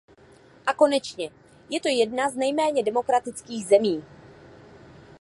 A konečně je to jedna z nejméně demokratických zemí.